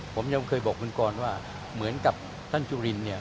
ผมยังเคยบอกคุณกรว่าเหมือนกับท่านจุลินเนี่ย